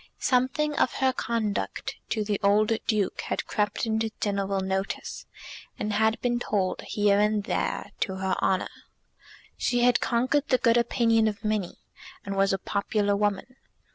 Something of her conduct to the old Duke had crept into general notice, and had been told, here and there, to her honour. She had conquered the good opinion of many, and was a popular woman.